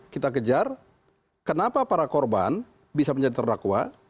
kita kejar kenapa para korban bisa menjadi terdakwa